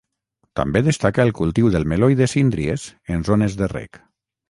També destaca el cultiu del meló i de síndries en zones de reg.